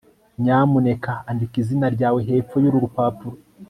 nyamuneka andika izina ryawe hepfo yuru rupapuro